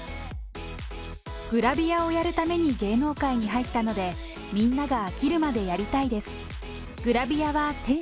グラビアをやるために芸能界に入ったので、みんなが飽きるまでやりたいです。